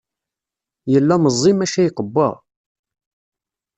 Yella meẓẓi maca iqewwa.